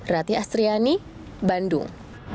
rati astriani bandung